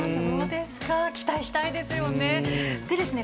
期待したいですよね。